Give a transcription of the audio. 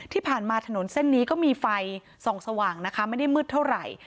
ที่ผ่านมาถนนเส้นนี้ก็มีไฟส่องสว่างนะคะไม่ได้มืดเท่าไหร่